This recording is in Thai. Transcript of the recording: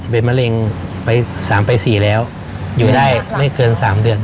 เป็นมะเร็งไป๓ไป๔แล้วอยู่ได้ไม่เกิน๓เดือน